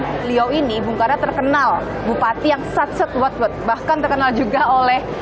beliau ini bung karna terkenal bupati yang satsat buat buat bahkan terkenal juga oleh